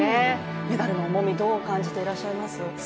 メダルの重み、どう感じてらっしゃいます？